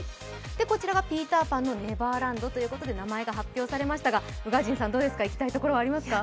こちらが「ピーター・パン」のネバーランドということで名前が発表されましたが、宇賀神さん、行きたい所はありますか？